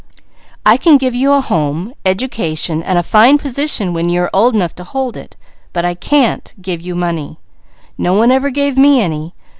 I can give you a home, education, and a fine position when you are old enough to hold it; but I _can't give you money. No one ever gave me any.